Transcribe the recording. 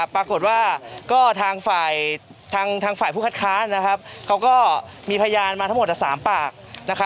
ปรากฏว่าก็ทางฝ่ายผู้คัดค้านเขาก็มีพยานมาทั้งหมด๓ปาก